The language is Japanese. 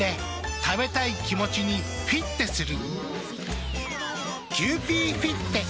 食べたい気持ちにフィッテする。